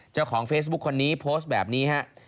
เจ้าของเฟซบุ๊คคนนี้โพสต์แบบนี้ฮะ